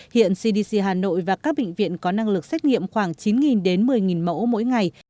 hiện cdc hà nội và các bệnh viện có năng lực xét nghiệm khoảng chín đến một mươi mẫu mỗi ngày